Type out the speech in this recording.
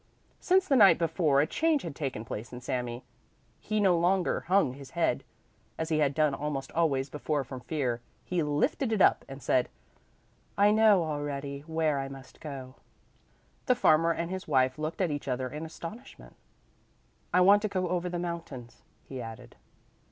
Since the night before a change had taken place in Sami. He no longer hung his head, as he had done almost always before from fear; he lifted it up and said: "I know already where I must go." The farmer and his wife looked at each other in astonishment. "I want to go over the mountains," he added.